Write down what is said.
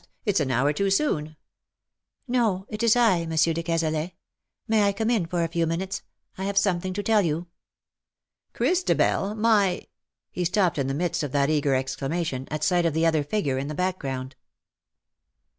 It's an hour too soon." " No, it is I, Monsieur de Cazalet. May I come in for a few minutes ? I have something to tell you." " Christabel — my " He stopped in the midst of that eager exclamation, at sight of the other figure in the background.